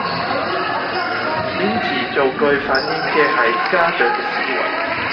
遣詞造句反映嘅係家長嘅思維